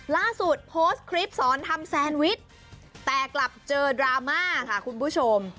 ล่าสุดโพสต์คลิปสอนทำแซนวิชแต่กลับเจอดราม่าค่ะคุณผู้ชม